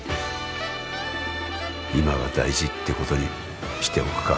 今が大事ってことにしておくか。